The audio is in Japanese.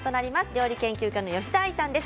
料理研究家の吉田愛さんです。